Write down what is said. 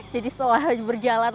jadi setelah berjalan